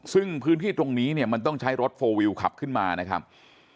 ซึ่งพื้นที่ตรงนี้เนี่ยมันต้องใช้รถโฟลวิวขับขึ้นมานะครับ